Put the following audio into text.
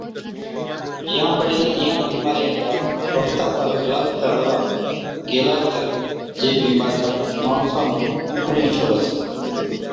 يان بڙي اِيهان بِيمارِيان چا وقتا پر علاج ڪرالا گيلا تہ جي بِيمارِيا ماڻسا نُون ڪونهِي ڇوڙس